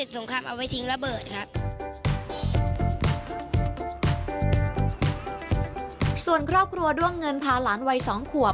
ส่วนครอบครัวด้วงเงินพาหลานวัย๒ขวบ